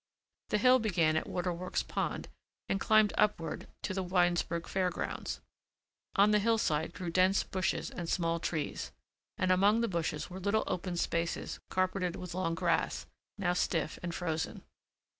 The hill began at Waterworks Pond and climbed upward to the Winesburg Fair Grounds. On the hillside grew dense bushes and small trees and among the bushes were little open spaces carpeted with long grass, now stiff and frozen.